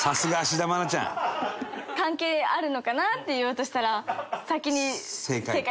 「関係あるのかな」って言おうとしたら。